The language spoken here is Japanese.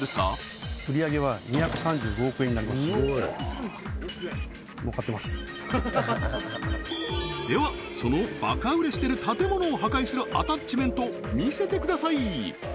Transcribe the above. それはではそのバカ売れしてる建物を破壊するアタッチメント見せてください！